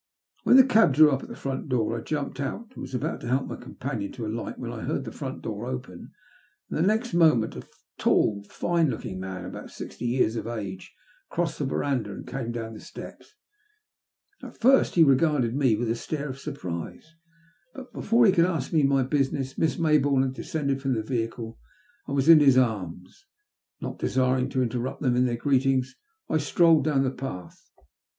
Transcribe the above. When the cab drew up at the front door I jumped out, and was about to help my companion to alight when I heard the front door open, and next moment a tall, fine looking man, about sixty years of age, crossed the verandah and came down the steps. At first ha SOUTH AFBICA. 323 regarded me with a stare of Borprise, but before he could ask me my business, Miss Mayboume had descended from the vehicle and was in his arms. Not desiring to interrupt them in their greetings I strolled down the path.